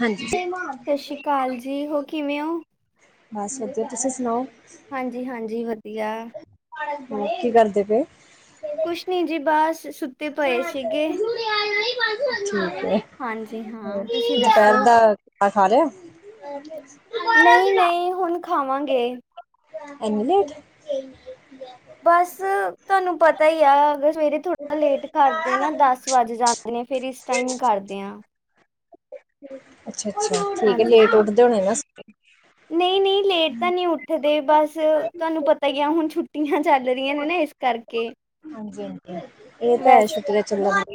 ਹਾਂਜੀ। ਸਸ਼ਸ਼ੀ ਕਾਲ ਜੀ ਹੋ ਕਿਵੇਂ ਔ? ਬਸ ਵਦੀਆ, ਤੁਸੀਂ ਸੁਣਾਔ। ਹਾਂਜੀ-ਹਾਂਜੀ, ਵਦੀਆ। ਹੋਰ ਕੀ ਕਰਦੇ ਪਏ ਔ? ਕੁਸ਼ ਨੀ ਜੀ ਬਸ, ਸੁੱਤੇ ਪਏ ਸੀਗੇ। ਠੀਕ ਐ, ਹਾਂਜੀ ਹੋਰ ਹਾਂ, ਤੁਸੀਂ ਦੁਪੈਰ ਦੱਸੋ? ਦਾ ਅ ਖਾ ਲਿਆ? ਨਈ-ਨਈ, ਹੁਣ ਖਾਵਾਂਗੇ। ਏਨੀ ਲੇਟ। ਬਸ ਤੁਆਨੂੰ ਪਤਾ ਈ ਆ ਅਗ ਸਵੇਰੇ ਥੋੜਾ ਲੇਟ ਕਰਦੇ ਨਾ ਦਸ ਵਜ ਜਾਂਦੇ ਨੇ ਫੇਰ ਇਸ ਟਾਈਮ ਈ ਕਰਦੇ ਆ। ਅੱਛਾ-ਅੱਛਾ, ਠੀਕ ਏ ਲੇਟ ਉੱਠਦੇ ਹੋਣੇ ਨਾ ਸਵੇ ਨਈ-ਨਈ ਲੇਟ ਤਾਂ ਨੀ ਉੱਠਦੇ ਬਸ, ਤਾਨੂੰ ਪਤਾ ਈ ਆ ਹੁਣ ਛੁੱ ਹ ਚੱਲ ਰਈਆਂ ਹਾਂਜੀ-ਹਾਂਜੀ, ਏਹ ਤਾਂ ਐ ਵੈਸ ਛੁੱਟੀਆਂ ਚੱਲਣ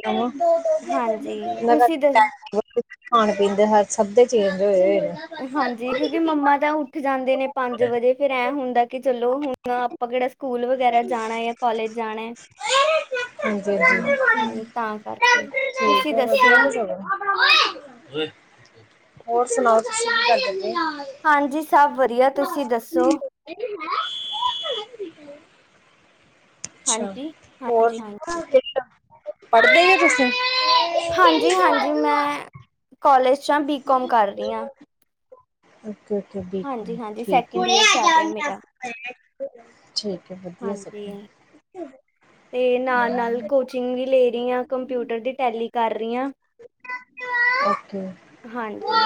ਹਾਂਜੀ, ਤੁਸੀਂ ਦੱਸ [unintelligible] ਖਾਣ-ਪੀਣ ਦੇ ਹਾ ਸਬ ਦੇ ਚੇਂਜ ਹੋਏ-ਹੋਏ ਨੇ। ਹਾਂਜੀ, ਕਿਉਂਕਿ ਮੰਮਾ ਤਾਂ ਉੱਠ ਜਾਂਦੇ ਨੇ ਪੰਜ ਵਜੇ ਫੇਰ ਐਂ ਹੁੰਦਾ ਕਿ ਚਲੋ ਹੁ ਆਪਾਂ ਕੇੜਾ ਸਕੂਲ ਵਗੈਰਾ ਜਾਣੈ ਯਾਂ ਕੋਲੇਜ ਜਾਣੈ। ਹਾਂਜੀ ਠੀਕ ਹੈ ਹਮ, ਤਾਂ ਕਰਕੇ ਤੁਸੀਂ ਵਧੀਆ ਦੱਸੋ? ਤੇ ਹੋਰ ਸੁਣਾਓ, ਤੁਸੀਂ ਕੀ ਕਰਦੇ ਪਏ? ਹਾਂਜੀ, ਸਭ ਵਧੀਆ। ਤੁਸੀਂ ਦੱਸੋ? [inaudible] ਅੱਛਾ, ਹਾਂਜੀ ਹੋਰ ਹਾਂਜੀ ਹਾਂਜੀ ਪੜਦੇ ਏ ਤੁਸੀਂ? ਹਾਂਜੀ ਹਾਂਜੀ, ਮੈਂ ਕੋਲਜ ਚ ਆ ਬੀ ਕੋਮ ਕਰ ਰਈ ਆ। ਓਕੇ ਓਕੇ, ਬੀ ਕੋਮ ਹਾਂਜੀ ਹਾਂਜੀ ਠੀਕ ਸੈਕਿੰਡ ਈਅਰ ਚੱਲ ਰਿਹਾ ਐ। ਮੇਰਾ ਠੀਕ ਐ, ਵਧੀਆ ਸਭ ਹਾਂਜੀ ਨੇ। ਤੇ ਨਾਲ ਨਾਲ ਕੋਚਿੰਗ ਵੀ ਲੇ ਰਈ ਆ, ਕੰਪਿਊਟਰ ਦੀ ਟੈਲੀ ਕਰ ਰਈ ਆ। ਓਕੇ। ਹਾਂਜੀ।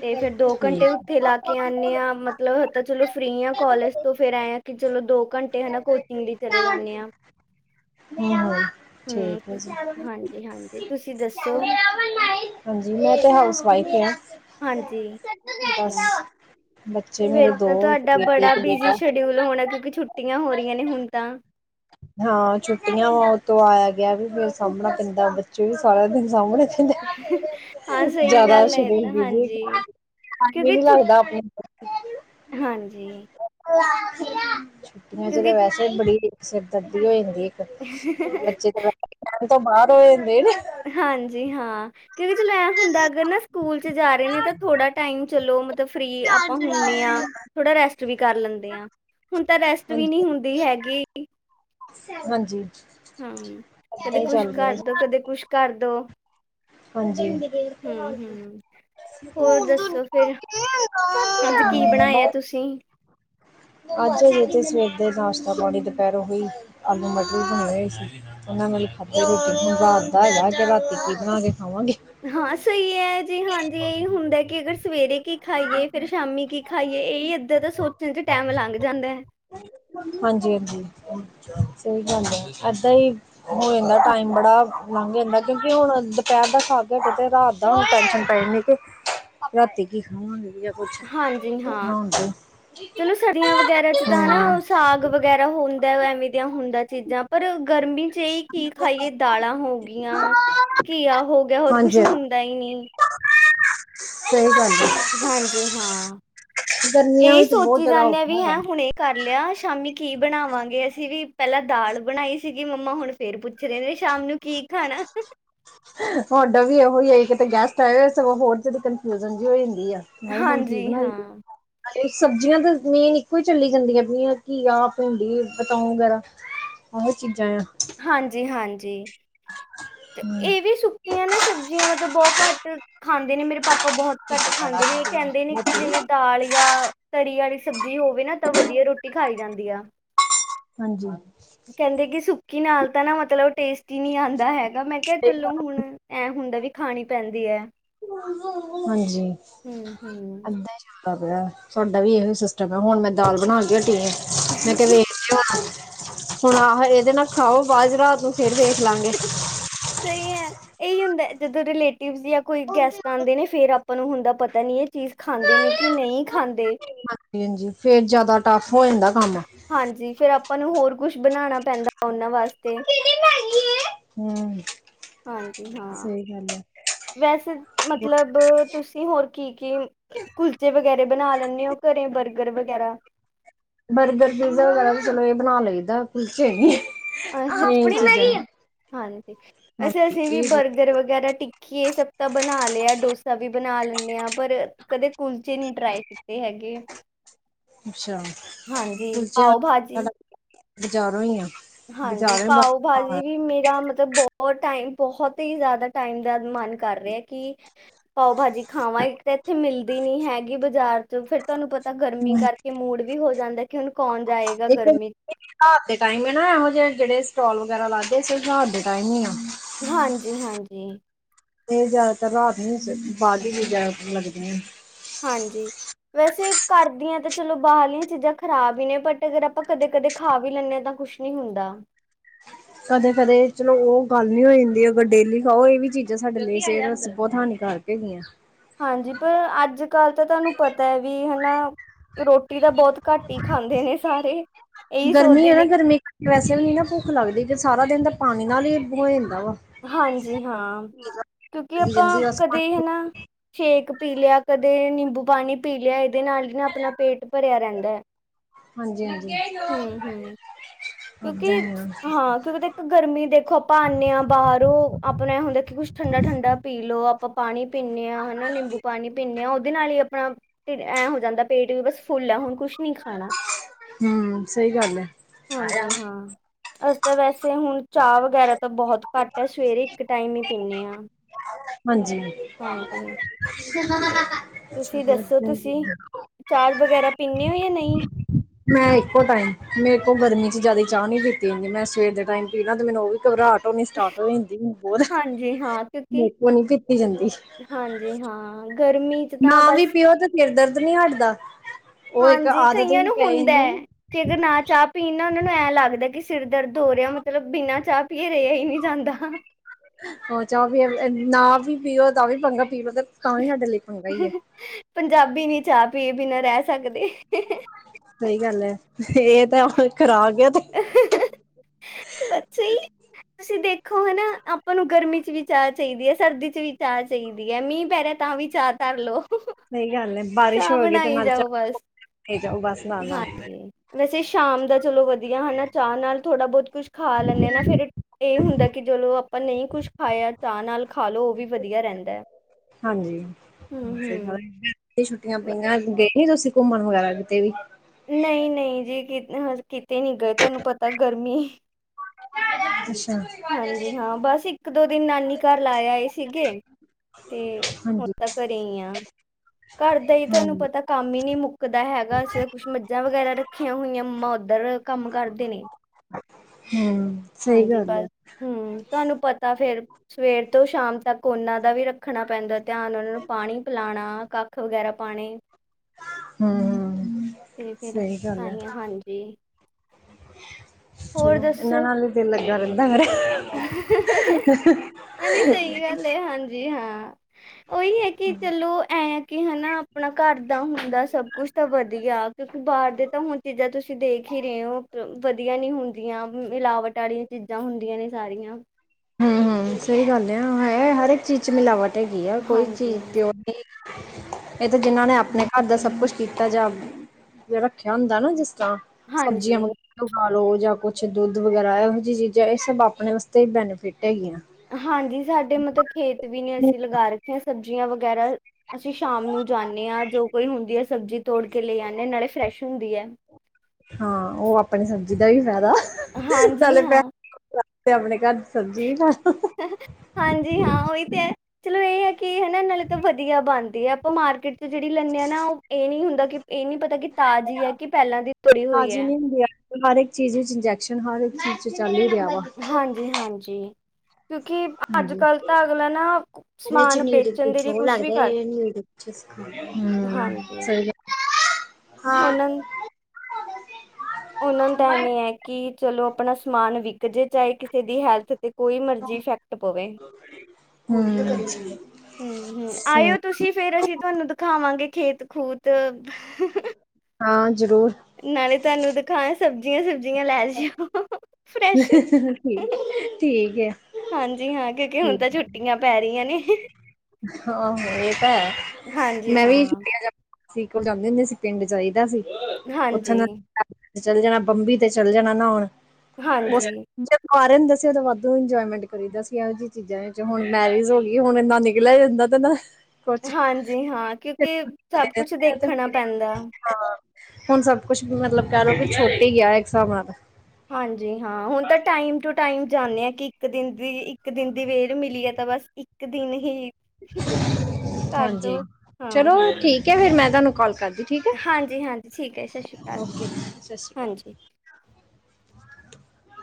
ਤੇ ਫੇਰ ਦੋ ਠੀਕ। ਘੰਟੇ ਉੱਥੇ ਲਾ ਕੇ ਆਨੇ ਆ, ਮਤਲਬ ਹਜੇ ਤਾਂ ਚਲੋ ਫਰੀ ਆ ਕੋਲਜ ਤੋਂ ਫੇਰ ਐ ਆ ਕਿ ਚਲੋ ਦੋ ਘੰਟੇ ਹਨਾ ਕੋਚਿੰਗ ਲਈ ਚਲੇ ਜਾਨੇ ਆ। ਹੂੰ ਹੂੰ, ਹੂੰ ਠੀਕ ਐ ਤੁ- ਸਭ। ਹਾਂਜੀ ਹਾਂਜੀ, ਤੁਸੀਂ ਦੱਸੋ? ਹਾਂਜੀ, ਮੈਂ ਤੇ ਹਾਊਸ ਵਾਈਫ ਈ ਆ। ਹਾਂਜੀ, ਠੀਕ ਬਸ ਐ। ਬੱਚੇ ਮੇਰੇ ਫਿਰ ਦੋ ਤਾਂ ਇੱਕ ਤੁਹਾਡਾ ਬੇਟੀ ਬੜਾ ਇੱਕ ਬਿਜੀ ਬੇਟਾ। ਸ਼ਡਿਊਲ ਹੋਣਾ, ਕਿਉਂਕਿ ਛੁੱਟੀਆਂ ਹੋ ਰਹੀਆਂ ਨੇ ਹੁਣ ਤਾਂ? ਹਾਂ, ਛੁੱਟੀਆਂ ਵਾ ਉਤੋਂ ਆਇਆ ਗਿਆ ਵੀ ਫੇਰ ਸਾਂਭਣਾ ਪੈਂਦਾ, ਬੱ ਬੱਚੇ ਵੀ ਸਾਰਾ ਦਿਨ ਸਾਂਭਣੇ। ਹਾਂ ਸਹੀ ਜਾਦਾ ਗੱਲ ਹੈ ਇਹ ਸ਼ਡਿਊਲ ਤਾਂ ਬਿਜੀ, ਹਾਂਜੀ ਟਾਈਮ ਹੀ ਕਿਉਂਕਿ ਨੀ ਛੁ ਲੱਗਦਾ ਆਪਣੇ ਤੇ। ਹਾਂਜੀ ਛੁੱਟੀਆਂ ਚ ਤਾਂ ਕਿਉਂਕਿ ਵੈ ਵੈਸੇ ਬੜੀ ਸਿਰ ਦਰਦੀ ਹੋ ਜਾਂਦੀ ਇੱਕ, ਬੱਚੇ ਤਾਂ ਵੈਸੇ ਕਹਿਣੇ ਤੋਂ ਬਾਹਰ ਹੋ ਜਾਂਦੇ ਨੇ। ਹਾਂਜੀ, ਹਾਂ। ਇਹਦੇ ਚ ਲੈਅ ਹੁੰਦਾ, ਅਗਰ ਨਾ ਸਕੂਲ ਚ ਜਾ ਰਹੇ ਨੇ ਤਾਂ ਥੋੜਾ ਟਾਈਮ ਚਲੋ ਮਤਲਬ ਫ੍ਰੀ ਆਪ ਆਪਾਂ ਹੁੰਨੇ ਆ, ਥੋੜਾ ਰੈਸਟ ਵੀ ਕਰ ਲੈਂਦੇ ਆ, ਹੁਣ ਤਾਂ ਰੈਸਟ ਵੀ ਨਹੀਂ ਹਾਂਜੀ ਹੁੰਦੀ ਹੈਗੀ। ਹਾਂਜੀ। ਹੂੰ, ਏਦਾਂ ਕਦੇ ਹੀ ਕੁਛ ਚੱਲ ਰਿਹਾ ਕਰਦੋ, ਕਦੇ ਕੁਛ ਕਰਦੋ। ਹਾਂਜੀ। ਹੂੰ-ਹੂੰ। ਹੋਰ ਦੱਸੋ ਫਿਰ, ਅੱਜ ਕੀ ਬਣਾਇਆ [unintelligible] ਤੁਸੀਂ? [inaudible] ਅੱਜ ਅਜੇ ਤੇ ਸਵੇਰ ਦੇ ਨਾਸ਼ਤਾ ਪਾਣੀ, ਦੁਪਹਿਰ ਓਹੀ ਆਲੂ, ਮਟਰ ਬਣੇ ਹੋਏ ਸੀ। ਉਹਨਾਂ ਨਾਲ ਖਾਧੀ ਰੋਟੀ, ਹੁਣ ਰਾਤ ਦਾ ਹੈਗਾ ਕਿ ਰਾਤੀ ਕੀ ਬਣਾ ਕੇ ਖਾਵਾਂਗੇ। ਹਾਂ, ਸਹੀ ਐ ਜੀ, ਹਾਂਜੀ, ਐਹੀ ਹੁੰਦਾ ਕਿ ਅਗਰ ਸਵੇਰੇ ਕੀ ਖਾਈਏ, ਫਿਰ ਸ਼ਾਮੀ ਕੀ ਖਾਈਏ, ਇਹੀ ਇੱਧਰ ਸੋਚਣ ਚ ਟੈਮ ਲੰਘ ਜਾਂਦਾ। ਹਾਂਜੀ ਹਾਂਜੀ, ਸਹੀ ਗੱਲ ਐ, ਐਦਾਂ ਹੀ ਹੋ ਜਾਂਦਾ ਟਾਈਮ ਬੜਾ ਲੰਘ ਜਾਂਦਾ, ਕਿਉਂਕਿ ਹੁਣ ਦੁਪਹਿਰ ਦਾ ਖਾਧਾ, ਕਿਤੇ ਰਾਤ ਦਾ ਹੁਣ ਟੈਨਸ਼ਨ ਪੈ ਜਾਣੀ। ਰਾਤੀ ਕੀ ਖਾਵਾਂਗੇ ਜਾਂ ਕੁਛ ਹਾਂਜੀ ਹਾਂ। ਬਣਾਉਣ ਦੀ। ਚਲੋ ਸਰਦੀਆਂ ਵਗੈਰਾ ਚ ਤਾਂ ਹਨਾ ਹਮ ਸਾਗ ਵਗੈਰਾ ਹੁੰਦਾ, ਐਵੇਂ ਦੀਆਂ ਹੁੰਦਾ ਚੀਜ਼ਾਂ। ਪਰ ਗਰਮੀ ਚ ਐਹੀ ਕੀ ਖਾਈਏ, ਦਾਲਾਂ ਹੋ ਗਈਆਂ। ਘੀਆ ਹੋ ਗਿਆ, ਹੋਰ ਕੁਛ ਹਾਂਜੀ ਹੁੰਦਾ ਹੀ ਨੀ। ਸਹੀ ਗੱਲ ਐ। ਹਾਂਜੀ ਹਾਂ, ਗਰਮੀਆਂ ਏ ਵਿੱਚ ਬਹੁਤ ਸੋਚੀ ਜ਼ਿਆਦਾ ਜਾਣੇ ਆ ਔਖਾ ਵੀ ਹੈਂ ਹੈਗਾ ਹੁਣੇ ਕਰ ਲਿਆ, ਸ਼ਾਮੀ ਕੀ ਬਣਾਵਾਂਗੇ, ਅਸੀਂ ਵੀ ਪਹਿਲਾਂ ਦਾਲ ਬਣਾਈ ਸੀਗੀ, ਮੰਮਾ ਹੁਣ ਫੇਰ ਪੁੱਛ ਰਹੇ ਨੇ ਸ਼ਾਮ ਨੂੰ ਕੀ ਖਾਣਾ। ਹਾਡਾ ਵੀ ਇਹੋ ਹੀ ਐ, ਕਿਤੇ ਗੈਸਟ ਆਏ ਹੋਏ ਸਗੋਂ ਹੋਰ ਜਿਹੀ ਕਨਫਿਊਜ਼ਨ ਜੀ ਹੋ ਜਾਂਦੀ ਆ। ਹਾਏ ਹੁਣ ਕੀ ਹਾਂਜੀ ਹਾਂ ਬਣਾਈਏ। ਸਬਜ਼ੀਆਂ, ਤਾਂ ਮੇਨ ਇੱਕੋ ਹੀ ਚੱਲ ਜਾਂਦੀਆਂ। ਘੀਆ, ਭਿੰਡੀ, ਬਤਾਉ, ਵਗੈਰਾ। ਇਹ ਹੀ ਚੀਜ਼ਾਂ ਆ। ਹਾਂਜੀ-ਹਾਂਜੀ, ਹਮ ਇਹ ਵੀ ਸੁ ਸੁਖੀਆਂ ਨਾ ਸਬਜ਼ੀਆਂ, ਮਤਲਬ ਬਹੁਤ ਘੱਟ ਖਾਂਦੇ ਨੇ, ਮੇਰੇ ਪਾਪਾ ਬਹੁਤ ਘੱਟ ਖਾਂਦੇ ਨੇ, ਇਹ ਕਹਿੰਦੇ ਨੇ ਕਿ, ਜਿਵੇਂ ਦਾਲ ਜਾਂ ਤਰੀ ਵਾਲੀ ਸਬਜ਼ੀ ਹੋਵੇ ਨਾ, ਤਾਂ ਵਧੀਆ ਰੋਟੀ ਖਾਈ ਜਾਂਦੀ ਆ। ਹਾਂਜੀ ਕਹਿੰਦੇ, ਕਿ ਸੁੱਕੀ ਨਾਲ ਤਾਂ ਨਾ ਮਤਲਬ, ਟੇਸਟੀ ਨਹੀਂ ਆਉਂਦਾ ਹੈਗਾ। ਮੈਂ ਕਿਹਾ, ਚੱਲੋ ਹੁਣ ਐਂ ਹੁੰਦਾ ਵੀ, ਖਾਣੀ ਪੈਂਦੀ ਹੈ। ਹਾਂਜੀ, ਹੂੰ ਅੱਧਾ ਤਾ ਪਿਆ ਤੁਹਾਡਾ ਵੀ ਇਹੋ ਹੀ ਸਿਸਟਮ ਹੈ। ਹੁਣ, ਮੈਂ ਦਾਲ ਬਣਾ ਕੇ ਹਟੀ ਆ। ਮੈਂ ਕਿਹਾ ਵਖ ਹੁਣ ਆਹ, ਇਹਦੇ ਨਾਲ ਖਾਓ ਬਾਅਜ ਰਾਤ ਨੂੰ, ਫਿਰ ਦੇਖ ਲਾਂਗੇ। ਸਹੀ ਹੈ, ਇਹੀ ਹੁੰਦਾ ਜਦੋਂ ਰਿਲੇਟਿਵਸ ਜਾਂ, ਕੋਈ ਗੈਸਟ ਆਉਂਦੇ ਨੇ, ਫੇਰ ਆਪਾਂ ਨੂੰ ਹੁੰਦਾ ਪਤਾ ਨੀ ਹੈ। ਚੀਜ਼ ਖਾਂਦੇ ਨੇ, ਕਿ ਨਹੀਂ ਖਾਂਦੇ। ਹਾਂਜੀ ਹਾਂਜੀ, ਫੇਰ ਜਿਆਦਾ ਟੱਫ ਹੋ ਜਾਂਦਾ। ਕੰਮ ਹਾਂਜੀ, ਫਿਰ ਆਪਾਂ ਨੂੰ ਹੋਰ ਕੁਛ ਬਣਾਉਣਾ ਪੈਂਦਾ, ਉਹਨਾਂ ਵਾਸਤੇ। ਹੂ ਹਾਂਜੀ ਹਾਂ। ਸਹੀ ਗੱਲ ਹੈ। ਵੈਸੇ, ਮਤਲਬ ਤੁਸੀਂ, ਹੋਰ ਕੀ-ਕੀ ਕੁਲਚੇ ਵਗੈਰਾ ਬਣਾ ਲੈਂਦੇ ਹੋ, ਘਰੇ ਬਰਗਰ ਵਗੈਰਾ। ਬਰਗਰ, ਪੀਜ਼ਾ, ਵਗੈਰਾ ਵੀ ਚਲੋ ਇਹ ਬਣਾ ਲਈਦਾ। ਕੁਲਚੇ, ਨਹੀਂ ਅੱਛਾ-ਅੱਛਾ, ਹਾਂਜੀ, ਵੈਸੇ ਹਾਂਜੀ ਅਸੀਂ ਵੀ ਇਹ ਚੀ ਬਰਗਰ, ਵਗੈਰਾ ਟਿੱਕੀਏ, ਸਭ ਤਾਂ ਬਨਾ ਲਿਆ, ਡੋਸਾ ਵੀ ਬਨਾ ਲੈਂਨੇ ਆ, ਪਰ ਕਦੇ ਕੁਲਚੇ ਨੀ ਟਰਾਈ ਕੀਤੇ ਹੈਗੇ। ਅੱਛਾ, ਹਾਂਜੀ ਕੁਲਚੇਆਂ ਪਾਓ ਭਾਜੀ [unintelligible] ਬਾਜ਼ਾਰੋ ਈ ਆਂ ਹਾਂਜੀ, ਪਾਓ-ਭਾਹਜੀ ਵੀ, ਮੇਰਾ ਮਤਲਬ ਬੋਤ ਟਾਈਮ, ਬੋਹਤ ਹੀ ਜਾਦਾ ਟਾਈਮ ਦਾ ਮਨ ਕਰ ਰੇਆ ਕੀ ਪਾਓ-ਭਾਜੀ ਖਾਵਾਂ, ਇੱਕ ਤੇ, ਇੱਥੇ ਮਿਲਦੀ ਨੀ ਹੈਗੀ ਬਾਜ਼ਾਰ। ਜ-ਫੇਰ ਤਹਾਨੂੰ ਪਤਾ ਗਰਮੀ ਕਰਕੇ ਮੂਡ ਵੀ ਹੋ ਜਾਂਦਾ, ਕੀ ਹੁਣ ਕੌਣ ਜਾਏਗਾ ਗਰਮੀ [inaudible] ਰਾਤ ਦੇ ਟਾਇਮ ਨਾ, ਓ, ਜਿਹੇ-ਜਿਹੜੇ ਸਟੋਲ ਵਗੈਰਾ ਲਾਦੇ, ਸਿਰਫ ਰਾਤ ਦੇ ਟਾਈਮ ਹੀ ਆ ਹਾਂਜੀ-ਹਾਂਜੀ ਏ ਜਿਆਦਾ ਰਾਤ ਨੂੰ [inaudible] ਲੱਗਦੀਆ ਨੇ ਹਾਂਜੀ। ਵੈਸੇ ਘਰ ਦੀਆਂ ਤਾਂ ਚਲੋ ਬਾਰਲੀਆਂ ਚੀਜ਼ਾਂ ਖਰਾਬ ਈ ਨੇ, ਬਟ ਅਗਰ ਆਪਾਂ ਕਦੇ-ਕਦੇ ਖਾ ਵੀ ਲੈਂਨੇ ਆ ਤਾਂ ਕੁਛ ਨੀ ਹੁੰਦਾ। ਕਦੇ-ਕਦੇ ਚਲੋ ਓ ਗੱਲ [inaudible] ਯਾਂਦੀ, ਡੇਲੀ ਖਾਓ ਏ ਵੀ ਚੀਜ਼ਾਂ ਸਾਡੇ ਲਈ ਸਹਿਤ ਆਸਤੇ ਬਹੁਤ ਹਾਨੀਕਾਰ ਏਦੀਆਂ ਹਾਂਜੀ, ਪਰ ਅੱਜ-ਕੱਲ੍ਹ ਤਾਂ ਤਾਨੂੰ ਪਤਾ ਐ ਵੀ, ਹੈਨਾ ਰੋਟੀ ਦਾ ਬੋਤ ਘੱਟ ਈ ਖਾਂਦੇ ਨੇ ਸਾਰੇ। ਇਹੀ ਗਰਮੀ ਸੋਚਦੇ ਐ ਨਾ, ਨੇ ਗਰਮੀ ਵੈਸੇ ਵੀ ਨ ਨਾ ਭੁੱਖ ਲੱਗਦੀ ਨੀ, ਸਾਰਾ ਦਿਨ ਤਾਂ ਪਾਣੀ ਨਾਲ ਈ [unintelligible] ਵਾ ਹਾਂਜੀ, ਹਾਂ, ਕਿਉਂਕਿ ਲੱਗੀ ਆਪਾਂ ਜਾਂਦੀ ਬਸ ਕਦੇ ਪਾਣੀ ਹੈਨਾ ਸ਼ੇਕ ਪੀ ਲਿਆ, ਕਦੇ ਨਿੰਬੂ ਪਾਣੀ ਪੀ ਲਿਆ, ਏਦੇ ਨਾਲ ਈ ਨਾ ਆਪਣਾ ਪੇਟ ਭਰਿਆ ਰੈਂਦਾ। ਹਾਂਜੀ-ਹਾਂਜੀ ਹੂੰ, ਹੂੰ, ਕਿਉਂਕਿ ਹੀ ਆ ਹਾਂ, ਕਿਉਂਕਿ ਦੇ ਗਰਮੀ ਦੇਖੋ ਆਪਾਂ ਆਨੇ ਆ ਬਾਰੋਂ, ਆਪਣਾ ਏ, ਹੁੰਦਾ ਕਿ ਕੁੱਛ ਠੰਡਾ-ਠੰਡਾ ਪੀ ਲਓ, ਅਪ ਆਪਾਂ ਪਾਣੀ ਪੀਂਨੇ ਆ, ਹੈਨਾ ਨਿੰਬੂ ਪਾਣੀ ਪੀਂਨੇ ਆ, ਓ ਅਪਾ ਉਦੇ ਨਾਲ ਹੀ ਆਪਣਾ ਢਿੱਡ ਐਂ ਹੋ ਜਾਂਦਾ ਪੇਟ ਬਸ ਫੁੱਲ ਹੁਣ ਕੁਛ ਵ ਹੂੰ, ਸਹੀ ਗੱਲ ਐ। ਹਾਂਜੀ ਹਾਂ! ਅਸੀਂ ਤਾਂ ਵੈਸੇ ਹੁਨ ਚਾਹ ਵਗੈਰਾ ਤਾਂ ਬੋਹਤ ਘੱਟ ਐ ਸਵੇਰੇ ਇੱਕ ਟਾਈਮ ਈ ਪਿੰਨੇ ਆ। ਹਾਂਜੀ! ਤੁਸੀਂ ਦੱਸੋ ਤੁਸੀਂ [unintelligible] ਚਾਹ ਵਗੈਰਾ ਪਿੰਨੇ ਓ ਯਾ ਨਹੀਂ? ਮੈਂ ਇੱਕੋ ਟਾਈਮ, ਮੇਰੇ ਕੋ ਗਰਮੀ 'ਚ ਜਾਦੇ ਚਾਹ ਨੀ ਪੀਤੀ ਯਾਂਦੀ, ਮੈਂ ਸਵੇਰ ਦੇ ਟਾਈਮ ਪੀਲਾ ਤੇ ਮੈਨੂੰ ਓ ਵੀ ਘਬਰਾਟ ਮੰਮੀ ਸਟਾਟ ਹੁੰਦੀ ਹੋਰ ਹਾਂਜੀ ਹਾਂ ਕਿਉਂਕਿ ਮੇਰੇ ਕੋ ਨੀ ਪੀਤੀ ਜਾਂਦੀ ਹਾਂਜੀ ਹਾਂ ਗਰਮੀ ਚ ਨਾ ਤਾਂ ਵੀ ਬਸ ਪਿਓ ਤੇ ਫਿਰ ਦਰਦ ਨੀ ਹਟਦਾ, ਓ ਇੱਕ ਹਾਂਜੀ ਆਦਤ ਕਈਆਂ ਵੀ ਨੂੰ ਪੈ ਹੁੰਦਾ ਯਾਂਦੀ ਹੈ ਕਿ ਅਗਰ ਨਾ ਚਾਹ ਪੀਣ ਨਾ ਉਨਾਂ ਨੂੰ ਐਂ ਲੱਗਦਾ ਕਿ ਸਿਰ ਦਰਦ ਹੋ ਰਿਹਾ ਮਤਲਬ ਬਿਨਾਂ ਚਾਹ ਪੀਏ ਰੇਆ ਈ ਨੀ ਜਾਂਦਾ। ਹੋਰ ਚਾਹ ਨਾ ਵੀ ਪੀਓ ਤਾਂ ਵੀ ਪੰਗਾ, ਪੀ ਲੋ ਤਾ ਹੀ ਹਾਡੇ ਲੀ ਪੰਗਾ ਈ ਐ। ਪੰਜਾਬੀ ਨੀ ਚਾਹ ਪੀਏ ਬਿਨਾਂ ਰਹਿ ਸਕਦੇ। ਸਈ ਗੱਲ ਐ, ਏ ਤਾਂ ਖੁਰਾਕ ਤੇ [unintelligible] ਪਰ ਸਹੀ [unintelligible] ਤੁਸੀਂ ਦੇਖੋ ਹੈਨਾ! ਆਪਾਂ ਨੂੰ ਗਰਮੀ 'ਚ ਵੀ ਚਾ ਚਾਈਦੀ ਐ ਸਰਦੀ 'ਚ ਵੀ ਚਾ ਚਾਈਦੀ ਐ ਮੀਂਹ ਪੈ ਰੇਆ ਤਾਂ ਵੀ ਚਾਹ ਧਰ ਲੋ। ਸਈ ਗੱਲ ਐ, ਬਾਰਿਸ਼ ਚਾਹ ਹੋਗੀ ਏ ਤਾਂ ਬਣਾਈ ਨਾਲ ਜਾਓ ਬਸ ਚਾਹ ਪਈ ਜਾਓ ਬਸ ਨਾਲ-ਨਾਲ। ਹਾਂਜੀ ਵੈਸੇ ਸ਼ਾਮ ਦਾ ਚਲੋ ਵਧੀਆ ਹੈਨਾ, ਚਾਹ ਨਾਲ ਥੋੜਾ ਬੋਤ ਕੁਛ ਖਾ ਲੈਂਨੇ ਆ ਨਾ, ਫਿਰ ਏ ਹੁੰਦਾ ਕੀ ਜਲੋ ਆਪਾਂ ਨਹੀਂ ਕੁਸ਼ ਖਾਇਆ ਚਾਹ ਨਾਲ ਖਾ ਲੋ, ਓ ਵੀ ਵਧੀਆ ਰੈਂਦਾ ਐ, ਹੂੰ-ਹੂੰ ਇਹ ਛੁੱਟੀਆਂ ਪਈਆਂ ਗਏ ਤੁਸੀਂ ਘੁੰਮਣ ਵਗੈਰਾ ਕਿਤੇ ਨਹੀਂ -ਨਹੀਂ ਜੀ, ਕਿ ਕਿਤੇ ਨੀ ਗਏ। ਤਾਨੂੰ ਪਤਾ ਗਰਮੀ ਅੱਛਾ ਹਾਂਜੀ ਹਾਂ ਬਸ ਇੱਕ-ਦੋ ਦਿਨ ਨਾਨੀ ਘਰ ਲਾ ਆਏ ਸੀਗੇ। 'ਤੇ ਹੁਣ ਹਾਂਜੀ ਤਾਂ ਘਰੇ ਈ ਆ। ਘਰ ਦਾਈ ਹਾਂ ਤੁਹਾਨੂੰ ਪਤਾ ਕੰਮ ਈ ਨੀ ਮੁੱਕਦਾ ਹੈਗਾ। ਅਸੀਂ ਕੁਸ਼ ਮੱਝਾਂ ਵਗੈਰਾ ਰੱਖੀਆਂ ਹੋਈਆਂ। ਮੰਮਾ ਉੱਧਰ ਕੰਮ ਕਰਦੇ ਨੇ ਹੂੰ ਸਹੀ ਹਾਂਜੀ ਗੱਲ ਬਸ ਆ! ਹੂੰ ਤੁਹਾਨੂੰ ਪਤਾ ਫਿਰ ਸਵੇਰ ਤੋਂ ਸ਼ਾਮ ਤੱਕ ਉਹਨਾਂ ਦਾ ਵੀ ਰੱਖਣਾ ਪੈਂਦਾ! ਧਿਆਨ ਉਹਨਾਂ ਨੂੰ ਪਾਣੀ ਪਿਲਾਉਣਾ ਕੱਖ ਵਗੈਰਾ ਪਾਉਣੇ। ਹੂੰ ਤੇ ਫਿਰ ਸਹੀ ਗੱਲ ਹੈ ਤਾਈਆਂ, ਹਾਂਜੀ! ਹੋਰ ਚਲੋ ਇਹਨਾਂ ਦੱਸੋ ਨਾਲ ਹੀ ਦਿਲ ਲੱਗਾ ਰਹਿੰਦਾ ਮੇਰਾ। ਭੈਣ ਜੀ ਸਹੀ ਗੱਲ ਹੈ, ਹਾਂਜੀ! ਹਾਂ! ਉਹੀ ਹੈ ਕਿ ਚਲੋ ਐਂ ਕਿ ਹਨਾ ਆਪਣਾ ਘਰ ਦਾ ਹੁੰਦਾ ਸਭ ਕੁਛ ਤਾਂ ਵਧੀਆ! ਬਾਹਰ ਦੇ ਤਾਂ ਹੁਣ ਚੀਜ਼ਾਂ ਤੁਸੀਂ ਦੇਖ ਹੀ ਰਹੇ ਹੋ ਵਧੀਆ ਨਹੀਂ ਹੁੰਦੀਆਂ ਮਿਲਾਵਟ ਵਾਲੀ ਚੀਜ਼ਾਂ ਹੁੰਦੀਆਂ ਨੇ ਸਾਰੀਆਂ! ਹੂੰ- ਹੂੰ! ਸਹੀ ਗੱਲ ਆ ਹੈ, ਹਰ ਇੱਕ ਚੀਜ਼ ਚ ਮਿਲਾਵਟ ਹੈਗੀ ਆ, ਕੋਈ ਚੀਜ਼ ਹਾਂਜੀ ਪਿਓ ਇਹ ਤੇ ਜਿਨਾਂ ਨੇ ਆਪਣੇ ਹੱਥ ਦਾ ਸਭ ਕੁਛ ਕੀਤਾ ਜਾ, ਜੇ ਰੱਖਿਆ ਹੁੰਦਾ ਨਾ ਜਿਸ ਤਰ੍ਹਾਂ! ਸਬਜ਼ੀਆਂ ਹਾਂਜੀ ਵਗੈਰਾ ਉਗਾ ਲੋ ਜਾਂ ਕੁਛ ਦੁੱਧ ਵਗੈਰਾ ਇਹੋ ਜਿਹੀ ਚੀਜ਼ਾਂ ਇਹ ਸਭ ਆਪਣੇ ਵਾਸਤੇ ਹੀ ਬੈਨਿ ਫਿੱਟ ਹੈਗੀਆਂ। ਹਾਂਜੀ! ਸਾਡੇ ਮਤਲਬ ਖੇਤ ਵੀ ਨੇ ਅਸੀਂ ਲਗਾ ਰੱਖੀਆਂ ਸਬਜ਼ੀਆਂ ਵਗੈਰਾ! ਅਸੀਂ ਸ਼ਾਮ ਨੂੰ ਜਾਂਦੇ ਹਾਂ ਜੋ ਕੋਈ ਹੁੰਦੀ ਹੈ ਸਬਜ਼ੀ ਤੋੜ ਕੇ ਲੈ ਆਦੇ ਆ ਨਾਲੇ ਫਰੈਸ਼ ਹੁੰਦੀ ਹੈ। ਹਾਂ! ਉਹ ਆਪਣੀ ਸਬਜ਼ੀ ਦਾ ਵੀ ਫਾਇਦਾ। ਹਾਂਜੀ! ਨਾਲੇ ਪੈ ਹਾਂ! ਆਪਣੇ ਘਰ ਦੀ ਸਬਜ਼ੀ ਵੀ ਖਾ ਹਾਂਜੀ ਹਾਂ ਉਹੀ ਤੇ ਹੈ ਚਲੋ ਇਹ ਏ ਕਿ ਹੈਨਾ ਨਾਲੇ ਤਾਂ ਵਦੀਆ ਬਣਦੀ ਐ ਓ ਮਾਰਕੀਟ ਚ ਜਿਹੜੀ ਲੈਂਨੇ ਆ ਨਾ ਉਹ ਇਹ ਨੀ ਹੁੰਦਾ ਕਿ ਇਹ ਨੀ ਪਤਾ ਕਿ ਤਾਜੀ ਐ ਪਹਿਲਾਂ ਦੀ ਤੁੜੀ ਹੋਈ ਤਾਜ਼ੀ ਐ ਨੀ ਹੁੰਦੀ ਹਰ ਇੱਕ ਚੀਜ਼ ਵਿਚ ਇੰਜੈਕਸ਼ਨ ਹਰ ਇੱਕ ਚੀਜ਼ ਚ ਚੱਲ ਵੀ ਰਿਹਾ ਵਾ ਹਾਂਜੀ-ਹਾਂਜੀ ਕਿਉਂਕਿ ਅੱਜ ਹਾਂਜੀ ਕੱਲ੍ਹ ਤਾਂ ਅਗਲਾ ਨਾ ਸਮਾਨ ਵੇਚਣ ਦੇ ਲਈ ਕੁਛ ਵੀ ਕਰ ਹਾ ਹਾਂਜੀ ਸਹੀ ਗੱਲ ਉਹਨਾਂ ਨੁੰ ਉਹਨਾਂ ਦਾ ਐਵੇਂ ਈ ਐ ਕਿ ਚਲੋ ਅਪਨਾ ਸਮਾਨ ਵਿਕ ਜੇ ਚਾਹੇ ਕਿਸੇ ਦੀ ਹੈਲਥ ਤੇ ਕੋਈ ਮਰਜ਼ੀ ਇਫੈਕਟ ਪਵੇ ਹੰ ਜੀ ਹੂੰ -ਹੂੰ ਆਇਓ ਤੁਸੀਂ ਫੇਰ ਅਸੀਂ ਤੁਹਾਨੂੰ ਦਿਖਾਵਾਂਗੇ ਖੇਤ ਖੂਤ [inaudible] ਹਾਂ ਜ਼ਰੂਰ ਨਾਲੇ ਤੁਹਾਨੂੰ ਦਿਖਾਅ ਸਬਜ਼ੀਆਂ ਸੁਬਜ਼ੀਆਂ ਲੈ ਜਿਓ ਫਰੈਸ਼ ਠੀਕ ਏ ਹਾਂਜੀ ਹਾਂ ਕਿਉਂਕਿ ਹੁਣ ਤੇ ਛੁੱਟੀਆਂ ਪੈ ਰਹੀਆਂ ਨੇ ਆਹੋ ਇਹ ਤਾਂ ਹੈ, ਹਾਂਜੀ ਮੈਂ ਹਾਂ ਵੀ ਛੁੱਟੀਆਂ ਸੀ ਕੋਲ ਜਾਂਦੇ ਹੁੰਦੇ ਸੀ, ਪਿੰਡ ਜਾਈਦਾ ਸੀ, ਹਾਂਜੀ ਉੱਥੇ ਚੱਲੇ ਜਾਣਾ ਬੰਬੀ ਤੇ ਚੱਲੇ ਜਾਣਾ ਨਉਣ ਹਾਂਜੀ! ਜਦ ਕੁਆਰੇ ਹੁੰਦੇ ਸੀ ਓਦੋ ਵਾਧੂ ਇੰਜੋਇਮੈਂਟ ਕਰੀਦਾ ਸੀ, ਇਹੋ ਜਿਹੀ ਚੀਜ਼ਾਂ ਦੇ ਵਿੱਚ ਹੁਣ ਮੈਰਿਜ ਹੋ ਗਈ, ਹੁਣ ਏਨਾ ਨੀ [unintelligible] ਹਾਂਜੀ ਹਾਂ, ਕਿਉਂਕਿ ਸਭ ਕੁਛ ਦੇਖਣਾ ਪੈਂਦਾ ਹਾਂ! ਹੁਣ ਸਭ ਕੁਛ ਮਤਲਬ ਕਹਿ ਲਓ ਕਿ ਛੋੱਟ ਹੀ ਗਿਆ ਇੱਕ ਸਾਬ ਨਾ ਤਾ ਹਾਂਜੀ ਹਾਂ! ਹੁਨ ਤਾਂ ਟਾਈਮ ਟੂ ਟਾਈਮ ਜਾਂਨੇ ਆ ਕਿ ਇੱਕ ਦਿਨ ਦੀ ਇੱ ਇੱਕ ਦਿਨ ਦੀ ਵੇਲ ਮਿਲੀ ਏ ਤਾਂ ਬਸ ਇੱਕ ਦਿਨ ਹੀ ਤਾਡੋ ਹਾਂ -ਹਾਂ ਕੇ ਫਿਰ ਮੈਂ ਤੁਹਾਨੂੰ ਕਾਲ ਕਰਦੀ ਠੀਕ ਐ ਹਾਂਜੀ ਹਾਂਜੀ ਠੀਕ ਹੈ ਸਤਿ ਸ਼੍ਰੀ ਅਕਾਲ ਓਕੇ ਸਤ ਸ੍ਰੀ ਅਕਾਲ ਹਾਂਜੀ